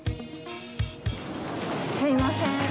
すみません。